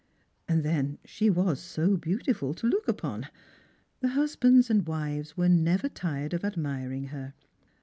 And then she was so beautiful to look upon ; the husbands and wives were never tired of admiring her.